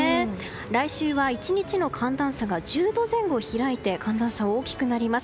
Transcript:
来週は１日の寒暖差が１０度前後開いて寒暖差が大きくなります。